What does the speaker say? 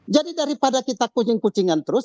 jadi daripada kita kuncing kuncingan terus